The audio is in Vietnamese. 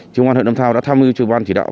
trung an huyện lâm thao đã thăm mưu cho ban chỉ đạo